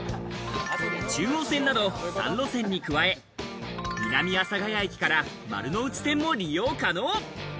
中央線など３路線に加え、南阿佐ヶ谷駅から丸ノ内線も利用可能。